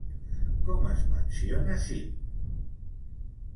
Com es menciona Syn al Skáldskaparmál?